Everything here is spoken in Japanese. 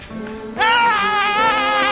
はい。